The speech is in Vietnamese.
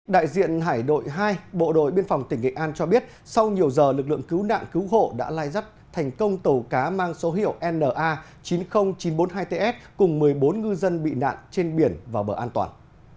đại diện hải đội hai bộ đội biên phòng tỉnh nghệ an cho biết sau nhiều giờ lực lượng cứu nạn cứu hộ đã lai dắt thành công tàu cá mang số hiệu na chín mươi nghìn chín trăm bốn mươi hai ts cùng một mươi bốn ngư dân bị nạn trên biển vào bờ an toàn